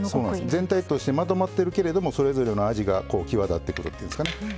全体としてまとまっているけれどもそれぞれの味が際立ってくるというんですかね。